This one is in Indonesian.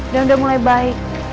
dan udah mulai baik